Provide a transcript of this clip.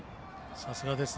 さすがですね。